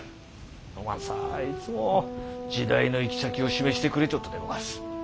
お前様はいつも時代の行き先を示してくれちょっとでごわす。